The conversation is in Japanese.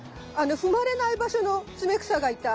踏まれない場所のツメクサがいた。